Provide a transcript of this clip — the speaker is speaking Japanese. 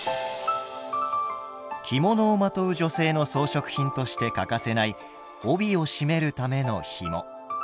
着物をまとう女性の装飾品として欠かせない帯を締めるためのひも。